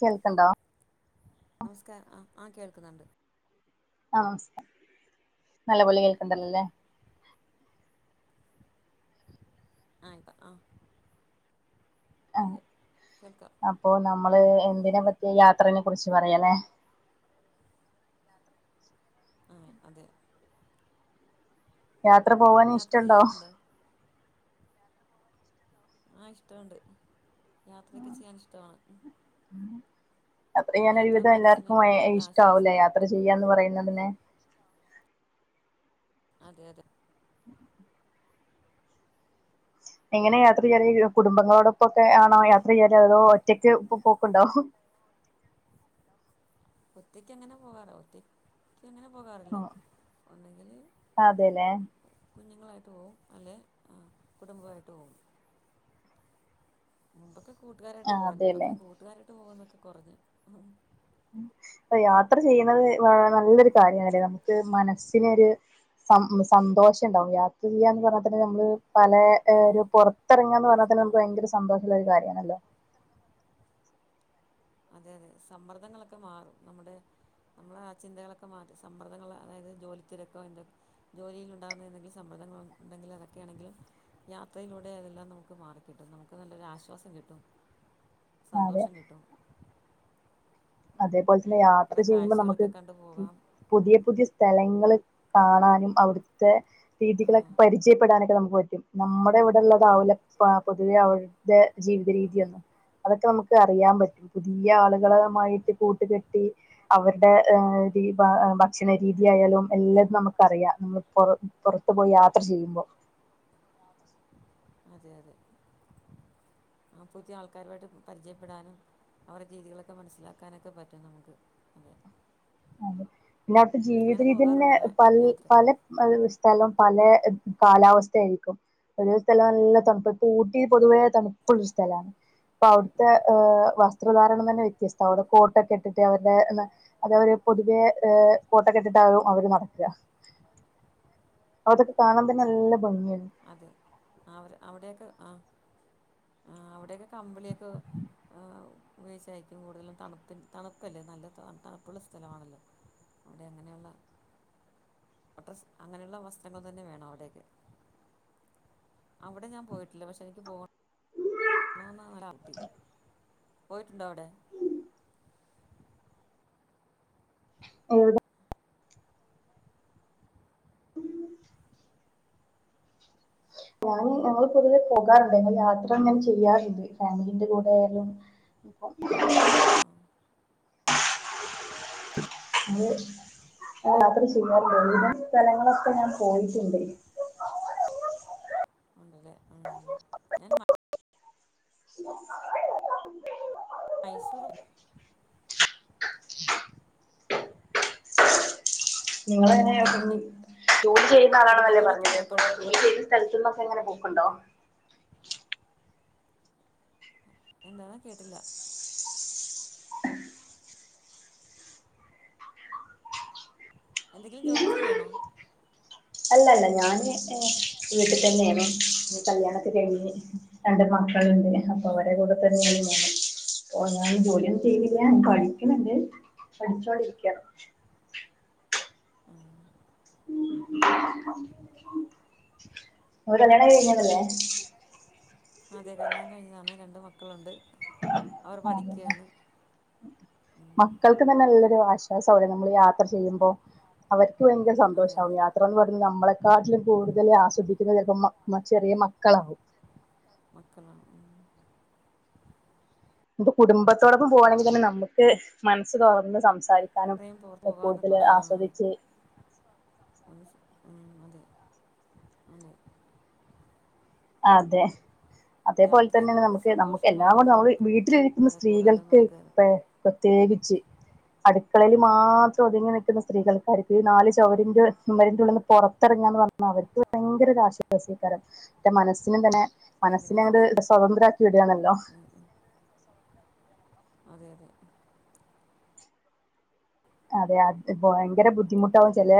കേൾക്കണ്ടാ നമസ്കാരം ആഹ് ആഹ് കേൾക്കുന്നുണ്ട്. ആഹ് നല്ല പൊലെ കേൾക്കണ്ടല്ലോല്ലേ ആയിക്കാം ആഹ് ആ അതെ കേൾക്കാം അപ്പൊ നമ്മള് എന്തിനെ പറ്റിയ യാത്രനെ കുറിച്ച് പറയാലെ ആഹ് അതെ യാത്ര പോക യാത്ര ചെയ്യാറുണ്ടോ ആഹ് ഇഷ്ടണ്ട് യാത്രയൊക്കെ ചെയ്യാൻ ഇഷ്ടമാണ് യാത്ര ചെയ്യൻ ഒരുവിധം മനസ്സിന് എല്ലാർക്കും ഒരു നല്ല ഇഷ്ട ആവുലെ ആശ്വാസവും യാത്ര ചെയ്യന്ന് പറയുന്നതെന്നെ അതെ അതെ ഉ [inaudible] എങ്ങനെ യാത്ര ചെയ്യാല് കുടുംബങ്ങളോടൊപ്പക്കെ ആണോ യാത്ര ചെയ്യാല് അതോ ഒറ്റയ്ക്ക് ഇ പോക്ക്ണ്ടോ ഒറ്റയ്ക്ക് എങ്ങനെ പോകാറോ ഒറ്റയ്ക്ക് ഒറ്റക്ക് അങ്ങനെ പോകാറില്ല ഉം ഒന്നങ്കിൽ അതെല്ലേ കുഞ്ഞുങ്ങളായിട്ട് പോവും അല്ലെ കുടുംബമായിട്ട് പോവും മുമ്പൊക്കെ കൂട്ടുകാരായിട്ട് ആ പോവാരുന്നു ഇപ്പ അതെല്ലേ അങ്ങനെ കൂട്ടുകാരായിട്ട് പോന്നൊക്കെ കുറഞ്ഞു അ യാത്ര ചെയ്യുന്നത് നല്ലൊരു കാര്യണല്ലേ നമുക്ക് മനസ്സിനന്രു സന്തോഷം ഉണ്ടാാവും യാത്ര ചെയ്യാ എന്ന് പറഞ്ഞാൽ തന്നെ നമ്മള് പല അതെ ഒരു അതെ പുറത്തിറങ്ങാ എന്ന് പറഞ്ഞാ മനസ് തന്നെ ഉം നമുക്ക് ഭയങ്കര സന്തോഷമുള്ള ഒരു കാര്യമാണല്ലോ അതെ അതെ സമ്മർദ്ദങ്ങളൊക്കെ മാറും നമ്മുടെ നമ്മളെ ആ ചിന്തകളൊക്കെ മാറ്റി സമ്മർദ്ദങ്ങൾ അതായത് ജോലിത്തിരക്കെ എന്താകെ ജോലിയിലുണ്ടാവുന്ന ഏതെങ്കിലും സമ്മർദങ്ങ ഉണ്ടെങ്കിൽ അതൊക്കെയാണെങ്കിലും യാത്രയിലൂടെ അതെല്ലാം നമുക്ക് മാറിക്കിട്ടും നമുക്ക് നല്ലൊരു ആശ്വാസം കിട്ടും [inaudible] സന്തോഷം കിട്ടും അതേപോലെ തന്നെ യാത്ര കുറേ ചെയ്യുമ്പോ നമുക്ക് കാഴ്ചകളൊക്കെ കണ്ടു പോകാം പുതിയ പുതിയ സ്ഥലങ്ങള് കാണാനും അവിടുത്തെ ആ രീതികളൊക്കെ പരിചയപ്പെടാനൊക്കെ നമുക്ക് പറ്റും നമ്മുടെ ഇവിടെള്ളതാവൂല പൊതുവെ അവിടത്തെ ജീവിത രീതിയെന്നും അതൊക്കെ നമുക്ക് അറിയാൻ പറ്റും പുതിയ ആളുകള്മായിട്ട് കൂട്ടുകെട്ടി അവരുടെ ഭക്ഷണ രീതിയായാലും എല്ലാം നമുക്ക് അറിയാം നമ്മള പുറത്തു പോയി യാത്ര ചെയ്യുമ്പോ [inaudible] അതെ അതെ ആ പുതിയ ആൾക്കാരുമായിട്ട് പരിചയപ്പെടാനും അവരുടെ രീതികളൊക്കെ മനസ്സിലാക്കാനൊക്കെ പറ്റും നമുക്ക് അതെ പിന്നെ അവിടുത്തെ ജീവിത അങ്ങനെ രീതിന്നെ പോകാറുണ്ടോ ആ പ യാത്ര പല സ്ഥലം പല കാലാവസ്ഥ ആയിരിക്കും ചില സ്ഥലം നല്ല തണുപ്പ ഊട്ടി പൊതുവേ തണുപ്പുള്ള ഒരു സ്ഥല അപ്പൊ അവിടുത്തെ വസ്ത്രധാരണം തന്നെ വ്യത്യസ്ത അവിടെ കോട്ടൊക്കെ ഇട്ടിട്ട് അവരുടെ അത അവര് പൊതുവെ ഏഹ് കോട്ടുകെട്ടിട്ടാണ് അവര് നടക്ക അതൊക്കെ കാണാൻ തന്നെ നല്ല ഭംഗിയാണ് അവര് അവിടെയൊക്കെ ആ ആ അവിടെയൊക്കെ കമ്പളിയൊക്കെ ഉപയോഗിച്ചായിരിക്കും കൂടുതലും തണുപ്പ തണുപ്പല്ലേ നല്ല തണുപ്പുള്ള സ്ഥലമാണല്ലോ അവിടെ അങ്ങനെയുള്ള അ അങ്ങനെയുള്ള വസ്ത്രങ്ങൾ തന്നെ വേണം അവിടെ അവിടെ ഞാൻ പോയിട്ടില്ല പക്ഷെ എനിക്ക് പോകണം [unintelligible] പോയിട്ടുണ്ടോ അവിടെ എവിടെ ഞാന് ഞങ്ങള് പൊതുവെ പോകാറുണ്ട് ഞങ്ങള് യാത്ര അങ്ങനെ ചെയ്യാറുണ്ട് ഫാമിലിന്റെ കൂടെ ആയാലും ഉ [unintelligible] ആഹ് ആഹ് അത് ഞാൻ യാത്ര ചെയ്യാറില്ല ഒരുവിതം സ്ഥലങ്ങളൊക്കെ ഞാൻ പോയിട്ടുണ്ട് ഉണ്ട്ലേ ഉം ഞാൻ മ- മൈസൂറും നിങ്ങള് എങ്ങനെ പിന്നെ അപ്പം കുഞ്ഞ് ജോലി ചെയ്യുന്ന ആളാണന്നല്ലേ പറഞ്ഞത് കുടുംബത്തോടൊപ്പമാണോ അപ്പൊ എപ്പോഴും ജോലി ചെയ്യ്ന്ന സ്ഥലത്തുന്നൊക്കെങ്ങെ പോക്കുണ്ടോ എന്താണ് കേട്ടില്ല എന്തെങ്കിലും ജോലി ചെയ്യാണോ അല്ലല്ല ഞാന് ഏഹ് വീട്ടി തന്നേണ് കല്യാണൊക്കെ കഴിഞ്ഞ് രണ്ട് മക്കളുണ്ട് അപ്പൊ ഉം അവരെ കൂടെ തന്നെയാണ് ഞാന് ഓഹ് ഞാൻ ജോലിയൊന്നും ഉം ചെയ്യ്ന്നില്യാ പഠിക്ക്ണ് ണ്ട് പഠിച്ചോണ്ടിരിക്ക ആഹ് ഓര് കല്യാണം കഴിഞ്ഞതല്ലേ അതെ കല്യാണം കഴിഞ്ഞതാണ് രണ്ട് മക്കളുണ്ട് അവർ അതെ പഠിയ്ക്കാണ് ഉം ക്കതന്നെ നല്ലൊരു ആശ്വാസം ആകൂല്ലേ നമ്മള് യാത്ര ചെയ്യുമ്പോ അവര്ക്ക് ഭയങ്കര അതെ സന്തോഷാവും യാ ത്രന്ന് പറിമ്പം നമ്മളെക്കാട്ടിലും കൂടുതൽ ആസ്വദിക്കുന്നത് ചെലപ്പം ചെറിയ മക്കളാവും മക്കളാ ഉം മ്പ് കുടുംബത്തോടൊപ്പം പോകാണെങ്കി തന്നെ നമുക്ക് മനസ്സ് തൊറന്ന് സംസാരി ട്രെയിൻ പോ പോവാന്ന് പറ ആഹ് ഉം അതെ അതെ അതെ അതേപോലെ യാത്രയെന്ന് തന്നെണ് പറയുന്ന നമ്മക്ക് നമ്മക്ക് സന്തോഷവും എല്ലാം കൂടെ ആനന്ദവും നമ്മള് വീട്ടിലിരിക്കുന്ന അത് കൂടുതലും സ്ത്രീകൾക്ക് നമുക്ക് [unintelligible] ത്യേഗിച്ച് അടുക്കളേല് മാത്രം ഒതുങ്ങി നിക്കുന്ന സ്ത്രീകൾക്ക് അടുപ്പി നാല് ചൊവരിന്റെ ചൊവരിന്റുള്ളിന്ന് പൊർത്തെറങ്ങാന്ന് പറ ഞ്ഞ അവർക്ക് ഭയങ്കര ഒരാശ്വാസൈയ്ക്കാരം എന്റെ മനസ്സിന് തന്നെ ഭയങ്കര മനസ്സിനെ അങ്ങട് ആശ്വാസമായിരിക്കും സ്വതന്ത്രാക്കി വിടാണല്ലോ ഉം ഉം അതെ അതെ അതെ അത് ഭയങ്കര ബുദ്ധിമുട്ടാവും ചെലെ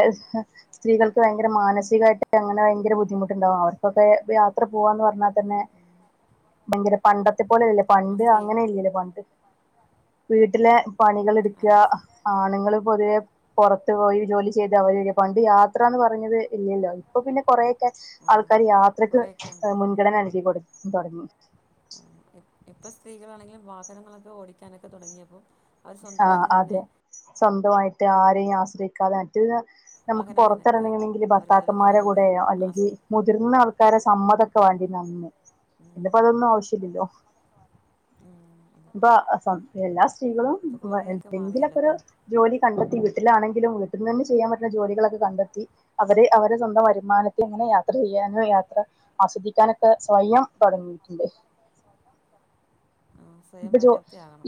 സ്ത്രീകൾക്ക് ഭയങ്കര മാനസികായിട്ട് അങ്ങനെ ഭയങ്കര ബുദ്ധിമുട്ടുണ്ടാകും അവർക്കൊക്കെ യാ ത്ര പോവാന്ന് പറഞ്ഞാ തന്നെ ഉം ഉം ഭയങ്കര പണ്ടത്തെ പോലല്ലേ ആ പണ്ട് സ്ത്രീ അങ്ങനെ ഇല്ലല്ലേ പണ്ട് വീട്ടിലെ ഉം പണികള്ട്ക്ക അതെ ആണുങ്ങള് പൊതുവെ പൊറത്ത് പോയി ജോലി ചെയ്ത് അവര് പണ്ട് യാത്ര എന്ന് പറഞ്ഞത് ഇല്ലല്ലോ ഇപ്പൊ പിന്നെ കൊറേ ക്കെ ഉം ആൾക്കാര് യാത്രയ്ക്ക് കുറേയൊക്കെ ഉണ്ട്. ഏഹ് മുൻഗണന ഉം നൽകി കൊട് തൊടങ്ങി ഉം ഇപ്പൊ സ്ത്രീകളാണെങ്കിലും വാഹനങ്ങളൊക്കെ ഓടിക്കാനൊക്കെ തൊടങ്ങിയപ്പോ ആഹ് അതെ സ്വന്തമായിട്ട് ആരെയും ആശ്രയിക്കാതെ മറ്റ്ല്ല നമുക്ക് വാഹനം ഇടാനൊക്കെ പൊറത്തിറങ്ങണെങ്കില് അവർ കൂടുതൽ ഭർത്താക്കന്മാരെ അതെ കൂടെ അല്ലെങ്കി ആശ്രയിക്കും മുതിർന്ന ആൾ ക്കാരെ സമ്മതൊക്കെ വേണ്ടിനി അന്ന് ഉം ഇന്നിപ്പോ അതൊന്നും ആവശ്യല്ലല്ലോ ഉം അതെ ഇപ്പ സ്വ എല്ലാ സ്ത്രീകളും ഇപ്പം വെ കുറേയൊക്കെ മാറിയല്ലോ എന്തെങ്കിലൊക്കൊരു അപ്പം ജോലി കണ്ടെത്തി വീട്ടിലാണെങ്കിലും വീട്ടിന്നെന്നെ ചെയ്യാൻ പറ്റുന്ന ജോലികളൊക്കെ കണ്ടെത്തി അവര് അവരെ സ്വന്തം വരുമാനത്തി ഇങ്ങനെ യാത്ര ചെയ്യാനും യാത്ര ആസ്വദിക്കാനൊക്കെ സ്വയം തൊടങ്ങിട്ടുണ്ട് സ്വായം തൊടങ്ങിട്ടുണ്ട് ആഹ് ഇപ്പൊ ജോ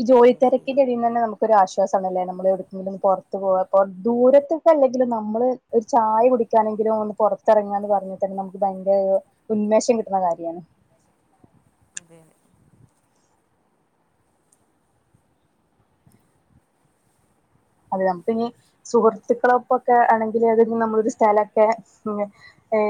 ഈ ജോലിത്തെരക്കിന്റെ ഇതീന്നന്നെ നമുക്ക് ഒരാശ്വാസാണല്ലേ നമ്മള് എവിടേയ്ക്കെങ്കിലും പുറത്ത് പോവാ ഇപ്പോ ദൂരത്തേക്കല്ലെങ്കിലും നമ്മള് ഒരു ചായ കുടിക്കാനെങ്കിലും ഒന്ന് പുറത്തിറങ്ങാന്ന് പറഞ്ഞാ തന്നെ നമുക്ക് ഭയങ്കര ഒരു ഉന്മേഷം കിട്ടുന്ന കാര്യാണ് അതെ അതെ അതെ നമുക്കിഞ്ഞി സുഹൃത്തുക്കളൊപ്പൊക്കെ ആണെങ്കില് അത് നമ്മളൊരു സ്ഥലക്കെ ഏ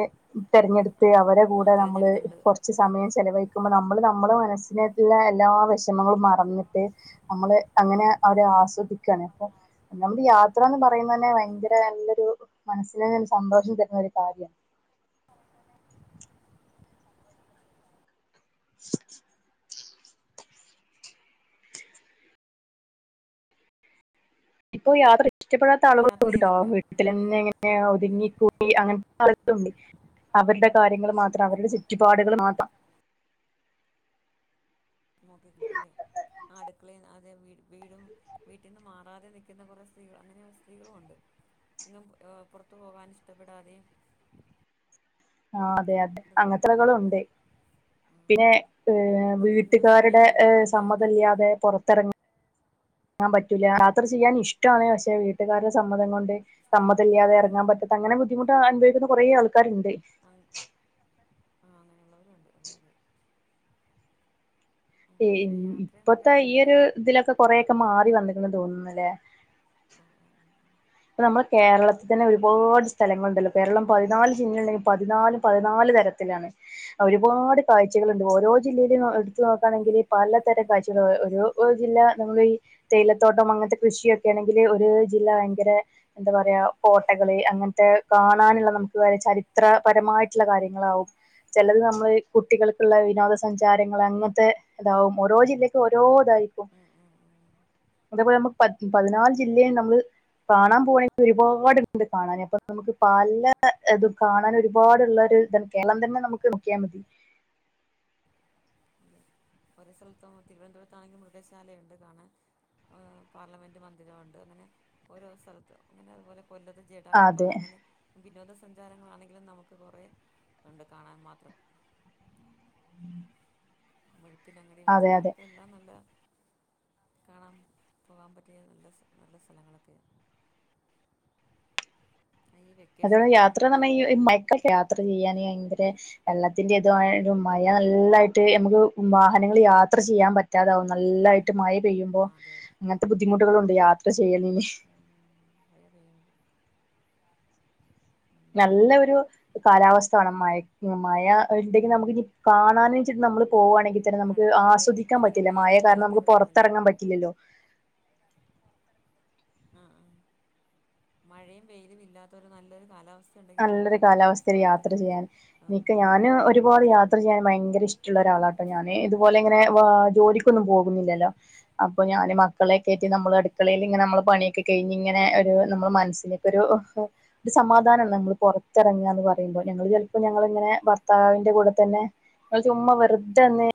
തെരഞ്ഞെടുത്ത് അവരെ ആ കൂടെ നമ്മള് തിരഞ്ഞെടുത്തിട്ടുണ്ട് കൊറച്ച് സ് സമയം ചെലവഴിക്കുമ്പം നമ്മള് നമ്മളെ മനസ്സിനാത്ത്ള്ള എല്ലാ വെഷമങ്ങളും മറഞ്ഞിട്ട് നമ്മള് അങ്ങനെ അവര് ആസ്വദിക്കാണ് അപ്പൊ നമ്മള് യാത്രന്ന് പറയുന്നന്നെ ഭയങ്കര നല്ലൊരു മനസിന് സന്തോഷം തെരുന്ന ഒര് കാര്യം. [inaudible] ഇപ്പോ യാത്ര ഇഷ്ട്ടപ്പെടാത്ത ആളുകളും യാത്ര ണ്ട്ട്ടോ ചെയ്തിട്ടുണ്ടോ വി വീട്ടിലന്നെ ഇങ്ങനെ ഒതുങ്ങിക്കൂടി അങ്ങനത്തെ ആളുകളുണ്ട്. അവര്ടെ കാര്യങ്ങള് മാത്രം അവര്ടെ ചുറ്റ്പാടുകൾ മാത്രം നോക്കിട്ടില്ല അതെ മാത്രം അടുക്കളെന്ന് അതെ വീടും വീട്ടിന്ന് മാറാതെ നിക്ക്‌ന്ന കൊറെ സ്ത്രീകള് അങ്ങനെ സ്ത്രീകളുംഒണ്ട്. എങ്ങും പുറത്തു പോകാനിഷ്ടപ്പെടാതെയും ആഹ് അതെ അതെ ഇവിടെ അങ്ങനത്തെ നിൽക്കുന്നവരുണ്ട് ആളുകളുംണ്ട് പിന്നെ ഹ് ഒന്നിനും സമയം വീട്ടുകാര്ടെ കണ്ടെത്തുന്നില്ല എന്ന സമ്മതം ഇല്ല്യാതെ പുറത്തിറങ്ങ ഇറങ്ങാൻ പറ്റൂലാ യാത്ര ചെയ്യാൻ ഇഷ്ട്ടാണ് പക്ഷെ വീട്ട്കാര്ടെ സമ്മതം കൊണ്ട് ഇഷ്ടമാണ് സമ്മതംഇല്ല്യാതെ എറങ്ങാൻ പറ്റ അങ്ങനെ ബുദ്ധിമുട്ടനുഭവിക്കുന്ന കൊറേ ആൾക്കാര്ണ്ട്. ആഹ് അങ്ങനെയുള്ളോരുണ്ട് അതെ അതെ. ആ, പിൻ പക്ഷേ യാത്രയെന്ന് ഇപ്പത്തെ പറയുന്നത് ഈയൊര് നല്ലൊരു ഇതിലൊക്കെ മ- കൊറെയൊക്കെ മാറി വന്ന്ക്ക്ണ തോന്നുന്നല്ലേ ആ ആ ആ ഇപ്പ നമ്മുടെ കേരളത്തിതന്നെ ഒര്പാട് സ്ഥലങ്ങള്ണ്ടല്ലോ കേരളം പതിനാല് ജില്ലണ്ടെങ്കി പതിനാലും പതിനാല് തര ത്തിലാണ്. ഒര്പാട് കാഴ്ചകള്ണ്ട് ഓരോ ജില്ലയിലും എടുത്ത് അത് നോക്കാണെങ്കില് പലതരം കാഴ്ചകള് ഒരു ഒര് ജില്ല നമ്മളെ ഈ തേയിലത്തോട്ടം അങ്ങനത്തെ കൃഷിയൊക്കെ ആണെങ്കില് ഒര് ജില്ല ഭയങ്കര എന്താ പറയാ കോട്ടകള് അങ്ങനത്തെ കാണാന്ള്ള നമ്ക്ക് ചരിത്രപരമായിട്ട്ള്ള കാര്യങ്ങളാവും. ചെലത് നമ്മള് കുട്ടികൾക്ക്‌ള്ള വിനോദസഞ്ചാരങ്ങള് അങ്ങത്തെ ഇതാവും ഓരോ ജില്ലക്കും ഓരോതായിരി ഉ ഉ അതേപോലെ ഞമ്മക്ക് പതി പതിനാല് അതെ ജില്ലേ നമ്മള് കാണാൻ പോവാണേൽ ഒര്പാട്ണ്ട് കാണാന് അപ്പൊ നമുക്ക് പല ഇതും കാണാന് ഒര്പാടുള്ളര് ഇത കേരളം തന്നെ നമുക്ക് നോക്കിയാമതി. ഒര് സ്ഥലത്തും തിരുവനന്തപുരത്താണെങ്കി മൃഗശാലയൊണ്ട് കാണാൻ. ആഹ് പാർലമെന്റ് മന്ദിരംഒണ്ട് അങ്ങനെ ഓരോ സ്ഥലത്തും അങ്ങനെ അത്പോലെ കൊല്ലത്ത് ജടായിപാറ അതെ അങ്ങനെ വിനോദസഞ്ചാരങ്ങളാണെങ്കിലും നമുക്ക് കുറെ ഒണ്ട് കാണാൻ മാത്രം. [inaudible] മുഴുപ്പിലങ്ങാടി ബീച്ച് അതെ അതെ അതൊക്കെ എല്ലാം നല്ല, കാണാൻ പോവാൻ പറ്റിയ നല്ല നല്ല സ്ഥലങ്ങളൊക്കെയ- ഹൈവേ അതോലെ യാത്രന്ന് പറഞ്ഞാ ഈ [unintelligible] യാത്ര ചെയ്യാന് ഭയങ്കര വെള്ളത്തിന്റെ ഇതു ഒരു മയ നല്ലായിട്ട് ഞമ്മക്ക് വാഹനങ്ങളിയാത്ര ചെയ്യാൻ പ റ്റാതാവും നല്ലായിട്ട് മയ പെയ്യുമ്പോ ആ അതെ അതെ അങ്ങനത്തെ ബുദ്ധിമുട്ടുകളുംണ്ട് യാത്ര ചെയ്യ്ണേന് മഴ പെയ്യണ്ട് നല്ല ഒരു കാലാവസ്ഥവേണം മയ മയയൊണ്ടെങ്കി നമുക്കിഞ്ഞി കാണാനുവെച്ചിട്ട് നമ്മള് പോവാണെങ്കിതന്നെ മഴ നമുക്ക് മഴയും ആസ്വദിക്കാൻ അധികം പറ്റില്ലാ മയ വെയിലും കാരണം ഇല്ലാത്ത നമുക്ക് ഒരു നല്ല പൊറത്തെറങ്ങാൻ പറ്റ് റ്റില്ലല്ലോ ഉ ഉം മഴേം വെയിലും ഇല്ലാത്തൊരു നല്ലൊരു കാലാവസ് നല്ലൊരു കാലാവസ്ഥേല് യാത്രചെയ്യാൻ എനിക്ക് ഞാന് ഒരുപാട് ചെയ്യാം യാത്രചെയ്യാൻ ഭയങ്കരിഷ് ട്ടൊള്ള ഒരാളാട്ടോ ഞാന് ഇതുപോലെ ഇങ്ങനെ വാ ജോലിക്കൊന്നും പോകുന്നില്ലല്ലോ അപ്പൊഞാന് മ മക്കളെക്കേറ്റി നമ്മള് അടുക്കളേല് ഇങ്ങനെ നമ്മള് പണിയൊക്കെ കയിഞ്ഞിങ്ങനെ ഒരു നമ്മളെ മനസ്സിലേക്കൊരു സമാധാനം നമ്മളുപൊറത്തിറങ്ങാന്നു പറയുമ്പോ ഞങ്ങള് ചെലപ്പോ ഞങ്ങളിങ്ങനെ ഭർത്താവിന്റെ കൂടെതന്നെ അതുചുമ്മാ വെറുതെയൊന്ന്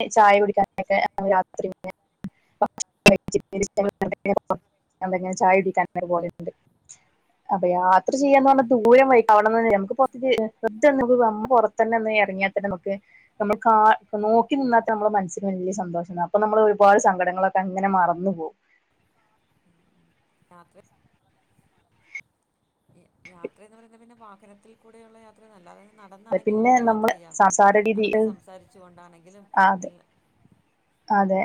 അതുചായകുടിക്കാനായിട്ട് രാത്രിയിങ്ങനെ [unintelligible] ഞാൻ പിന്നെ ചായുടിക്കാൻ ന്നേരം പോവലുണ്ട് അതെ യാത്രചെയ്യുമ്പോ അങ്ങ് ദൂരം വൈ അവിടന്ന് നമുക്ക് പൊറത്തിക്ക് [unintelligible] തന്നൊന്ന് എറങ്ങിയാതന്നെ നമുക്ക് നമ്മൾ കാ നോ ഇന്നത്തെ നമ്മുടെ മനസ്സിന് വല്യസന്തോഷമാണ് അപ്പൊ നമ്മൾ ഒരുപാട് സങ്കടങ്ങളൊക്കെ അങ്ങനെ മറന്നുപോകും യാത്രേം യാത്രയെന്നു പറയുന്നത് പിന്നെ വാഹനത്തിൽ കൂടെയുള്ള യാ ത്രയാണ് അല്ലാതെ നടന്നാണെങ്കിലും പിന്നെ നമ്മള് നമുക്കുയാത്രചെയ്യാം പൊരെ സംസാര രീതി നടന്നു സംസാരിച്ചുകൊണ്ടാണെങ്കിലും അതെ എല്ലാം അതെ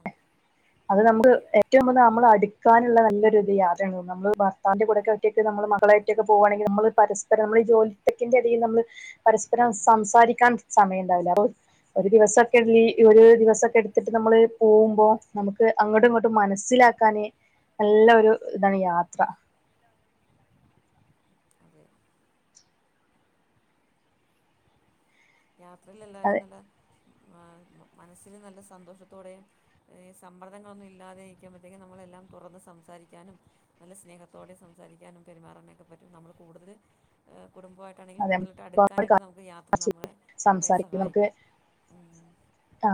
അതെ അതുനമുക്ക് ഏറ്റവും കൂടുതൽ നമ്മള് അടുക്കാനുള്ള നല്ലൊരിത് യാത്രയാണ് നമ്മള് ഭർത്താവിന്റെ കൂടൊക്കെ ഒറ്റക്ക് നമ്മള് മകളായിട്ടൊക്കെ പോവാണെങ്കി നമ്മള് പരസ്പരം നമ്മള് ഈ ജോലിതെരക്കിന്റെ ഇടയിൽ നമ്മള് പരസ്പരം സംസാരിക്കാൻ സമയൊണ്ടാവില്ലാ ഒരു ദിവസൊക്കൊള്ളി ഒരു ദിവസൊക്കെ എടുത്തിട്ട് നമ്മള് പോകുമ്പോ നമുക്ക് അങ്ങൊടും ഇങ്ങോട്ടും മനസ്സിലാക്കാന് നല്ല ഒരു ഇതാണ് യാത്ര അതെ യാത്രേല് എല്ലാരും അതെ നല്ല ആ മനസ്സില് നല്ല സന്തോഷത്തോടേയും ഏ സമ്മർദ്ദങ്ങളൊന്നുമില്ലാതെ ഇരിക്കുമ്പത്തേക്കും നമ്മളെല്ലാം തൊറന്നുസംസാരിക്കാനും നല്ല സ്നേഹത്തോടെ സംസാരിക്കാനും പെരുമാറാനൊക്കെപറ്റും നമ്മള് കൂടുതല് എ കുടുംബമായി ട്ടാണെങ്കിലും അതെ കൂടുതലായിട്ട് അടുക്കാനായിട്ട് നമുക്കുയാത്ര നമ്മളെ കുറേ സംസാരിക്കുന്ന നമുക്ക് സഹായിക്കും ആ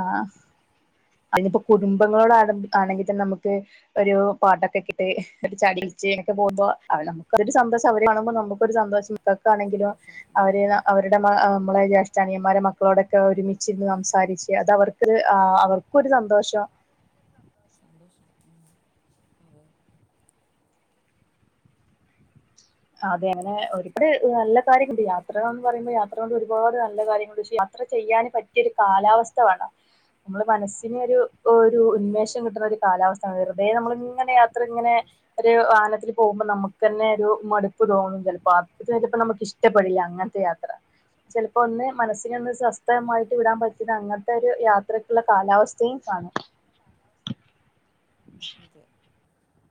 അയിനിപ്പോ കുടുംബങ്ങളോടാണെങ്കി ആണെങ്കിതന്നെനമുക്ക് ഒരു പാട്ടൊക്കെയിട്ട് ഒരു ചാടിക്കളിച്ച് അങ്ങനൊക്കെപോകുമ്പോ അവര് നമുക്കതൊരു സന്തോഷം അവരുകാണുമ്പോ നമുക്കും ഒരു സന്തോഷം ഇക്കാക്കാണെങ്കിലും സന്തോഷം അവര് ന അവരുടെ മ നമ്മളെ ജേഷ് ച്ച് അനിയന്മാരെ മക്കളോടൊക്കെ ഒരുമിച്ചിരുന്നു സംസാരിച്ച് അത് അവർക്കൊരു ആ അവർക്കൊരു സന്തോഷം സന്തോഷം മ്മ് അതെ അതെ അങ്ങനെ ഒരുപിടി നല്ല കാര്യമൊണ്ട് യാത്രഎന്നുപറയുമ്പോ യാത്രകൊണ്ട് ഒരുപാട് നല്ല കാര്യങ്ങളുണ്ട് ചെയ്യാ യാത്രചെയ്യാൻ പറ്റിയൊരു കാലാവസ്ഥവേണം നമ്മള് മനസ്സിനൊരു ഒരു അതെ അതെ ഉന്മേഷം കിട്ടുന്നൊരു കാലാവസ്ഥാവേണം വെറുതെ നമ്മളിങ്ങനെ യാത്രയിങ്ങനെ കാലാവസ്ഥ ഒരു വാഹനത്തില് പോകുമ്പോ നമുക്കുതന്നെയൊരു മടു പ്പുതോന്നും ചെലപ്പോ അത് ചെലപ്പോ നമുക്കിഷ്ടപ്പെടില്ല അങ്ങനത്തെയാത്ര ചെലപ്പോ ഒന്ന് മനസ്സിനൊന്ന് സ്വസ്ഥമായിട്ടുവിടാൻ പറ്റിണ അങ്ങനത്തെയൊരു യാത്ര ക്കുള്ള കാലാവസ്ഥയും കാണും മ്ക്കെ